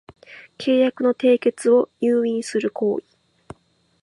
契約の締結を誘引する行為